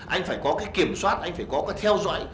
anh phải có cái kiểm soát anh phải có cái theo dõi